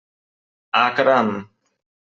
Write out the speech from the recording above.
Ah, caram!